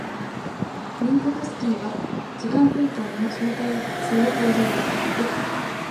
ミンコフスキーは時間空間の相対性を講ずるに当たって、